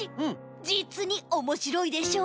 じつにおもしろいでしょう？